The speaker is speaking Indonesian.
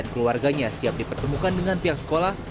keluarganya siap dipertemukan dengan pihak sekolah